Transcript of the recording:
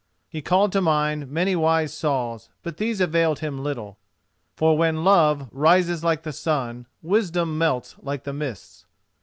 He called to mind many wise saws, but these availed him little: for when Love rises like the sun, wisdom melts like the mists.